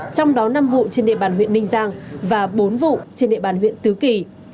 trong đó năm vụ trên địa bàn huyện ninh giang và bốn vụ trên địa bàn huyện tứ kỳ